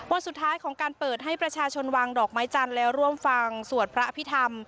วันสุดท้ายของการเปิดให้ประชาชนวางดอกไม้จันทร์และร่วมฟังสวดพระอภิษฐรรม